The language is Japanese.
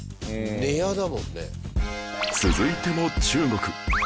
続いても中国